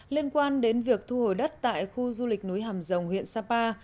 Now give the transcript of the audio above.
liên quan đến việc thu hồi đất tại khu du lịch núi hàm rồng huyện sapa